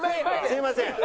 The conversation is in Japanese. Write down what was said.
すいません。